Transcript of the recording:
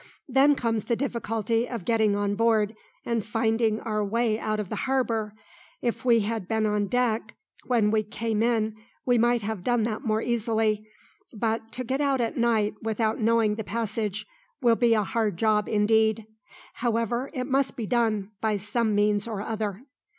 Then comes the difficulty of getting on board and finding our way out of the harbour. If we had been on deck when we came in we might have done that more easily, but to get out at night without knowing the passage will be a hard job indeed. However, it must be done by some means or other."